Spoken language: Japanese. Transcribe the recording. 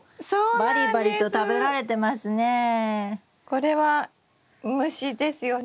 これは虫ですよね？